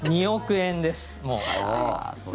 ２億円です、もう。